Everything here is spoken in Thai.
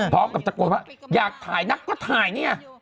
เพรากับประโยชน์อยากถ่ายนะก็ถ่ายเนี่ย